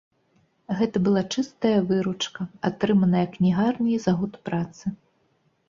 Гэта была чыстая выручка, атрыманая кнігарняй за год працы.